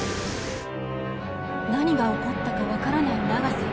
何が起こったか分からない永瀬。